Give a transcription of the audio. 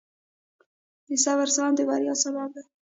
د صبر زغم د بریا سبب دی.